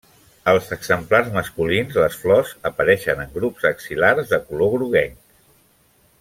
Als exemplars masculins, les flors apareixen en grups axil·lars de color groguenc.